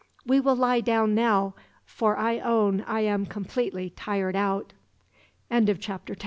We will lie down now, for I own I am completely tired out." Chapter 11: Cortez.